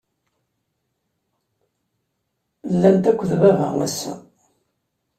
Llant akked baba ass-a?